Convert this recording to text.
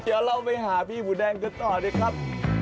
เดี๋ยวเราไปหาพี่หมูแดงกันต่อเลยครับ